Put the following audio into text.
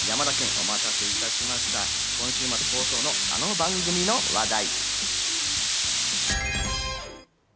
続いては山田君お待たせいたしました、今週末放送のあの番組の話題。